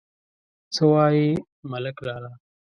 _څه وايې ملک لالا ؟